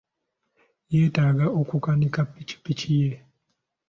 Yeetaaga okukanika ppikipiki ye.